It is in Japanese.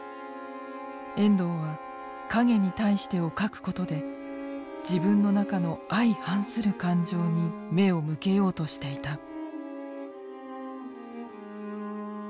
遠藤は「影に対して」を書くことで自分の中の相反する感情に目を向けようとしていた。